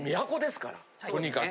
とにかく。